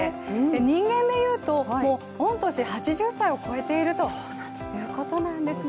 人間でいうと、もう御年８０歳を超えているということなんですね。